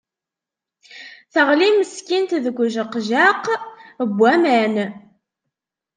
Teɣli meskint deg ujeqjaq n waman.